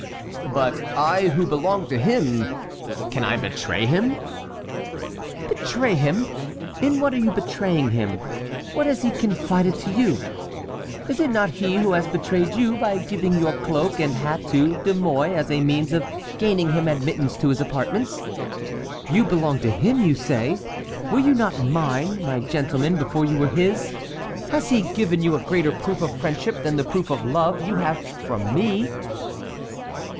"But I, who belong to him, can I betray him?" "Betray him! In what are you betraying him? What has he confided to you? Is it not he who has betrayed you by giving your cloak and hat to De Mouy as a means of gaining him admittance to his apartments? You belong to him, you say! Were you not mine, my gentleman, before you were his? Has he given you a greater proof of friendship than the proof of love you have from me?"